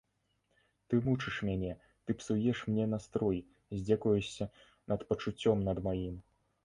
Ты мучыш мяне, ты псуеш мне настрой, здзекуешся над пачуццём над маім.